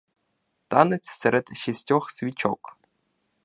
Танець серед шістьох свічок.